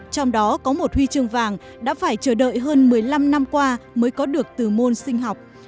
trong đó có một huy chương vàng đã phải chờ đợi hơn một mươi năm năm qua mới có được từ môn sinh học